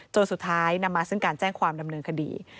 จนสุดท้ายนำมาซึ่งการแจ้งความดำเนินคดี